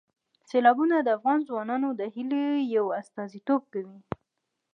سیلابونه د افغان ځوانانو د هیلو یو استازیتوب کوي.